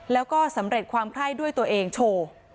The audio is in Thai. แล้วก็สำเร็จความไคร้ด้วยตัวเองโชว์